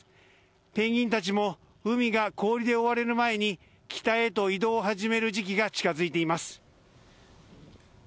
ペンギンたちも海が氷で覆われる前に北へと移動を始める時期が近づいています。